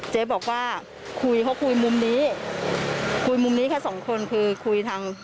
เจ๊บอกว่าคุยเขาคุยมุมนี้คุยมุมนี้แค่สองคนคือคุยทาง